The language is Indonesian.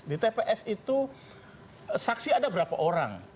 di tps itu saksi ada berapa orang